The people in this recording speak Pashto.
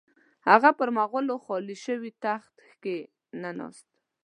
هغه پر مغولو خالي شوي تخت کښې نه ناست.